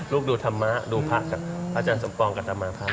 ลูกดูธรรมะดูพระจันทร์สมปรงกัตตามาภาพ